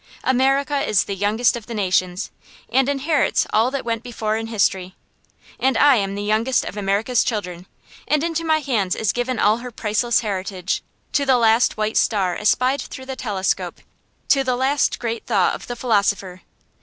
America is the youngest of the nations, and inherits all that went before in history. And I am the youngest of America's children, and into my hands is given all her priceless heritage, to the last white star espied through the telescope, to the last great thought of the philosopher.